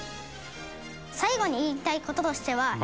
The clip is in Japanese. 最後に言いたい事としては何？